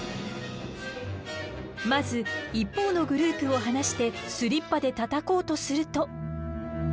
まず一方のグループを放してスリッパでたたこうとすると。